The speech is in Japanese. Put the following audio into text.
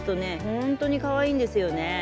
本当にかわいいんですよね。